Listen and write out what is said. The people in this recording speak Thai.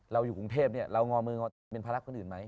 เราอยู่กรุงเทพเนี่ยเรางอมือเอาเป็นพระรักษณ์คนอื่นมั้ย